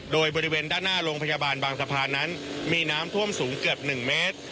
โดยบริเวณด้านหน้าโรงพยาบาลบางสะพานนั้นมีน้ำท่วมสูงเกือบ๑เมตร